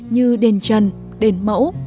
như đền trần đền mẫu